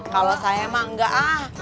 kalau saya mah nggak ah